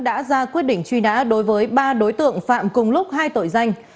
đã ra quyết định truy nã đối với ba đối tượng phạm cùng lúc hai tội danh